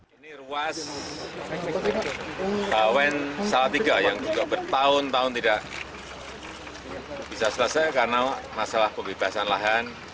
ini ruas bawen salatiga yang juga bertahun tahun tidak bisa selesai karena masalah pembebasan lahan